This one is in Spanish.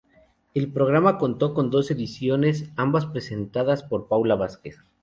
El programa contó con dos ediciones, ambas presentadas por Paula Vázquez.